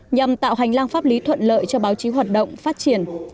nhằm tạo hành lang pháp lý thuận lợi cho báo chí hoạt động phát triển